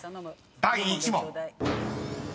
第１問］